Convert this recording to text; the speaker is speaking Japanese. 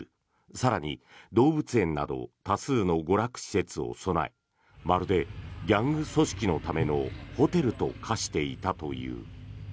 更に、動物園など多数の娯楽施設を備えまるでギャング組織のためのホテルと化していたという。